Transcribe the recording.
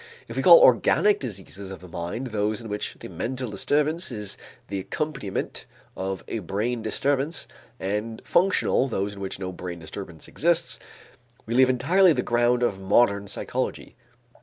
If we call organic diseases of the mind those in which the mental disturbance is the accompaniment of a brain disturbance, and functional those in which no brain disturbance exists, we leave entirely the ground of modern psychology.